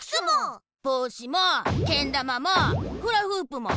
ぼうしもけんだまもフラフープも。